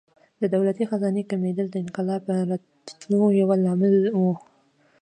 د دولتي خزانې کمېدل د انقلاب راتلو یو لامل و.